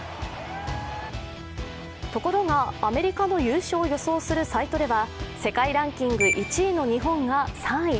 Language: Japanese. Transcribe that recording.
ところがアメリカの優勝を予想するサシとでは世界ランキング１位の日本が３位。